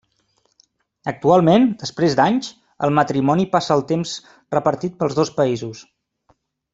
Actualment, després d'anys, el matrimoni passa el temps repartit pels dos països.